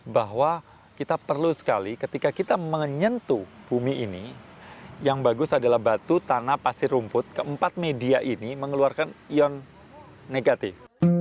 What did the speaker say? bahwa kita perlu sekali ketika kita menyentuh bumi ini yang bagus adalah batu tanah pasir rumput keempat media ini mengeluarkan ion negatif